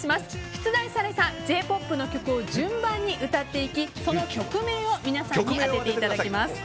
出題されたＪ‐ＰＯＰの曲を順番に歌っていただいてその曲名を皆さんに当てていただきます。